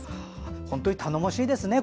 本当に頼もしいですね